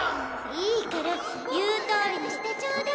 いいから言う通りにしてちょうだい。